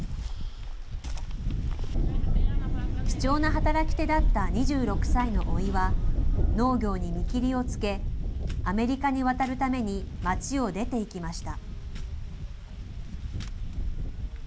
貴重な働き手だった２６歳のおいは、農業に見切りをつけ、アメリカに渡るために町を出ていきました。